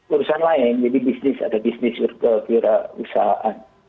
urusan lain jadi bisnis ada bisnis ada usahaan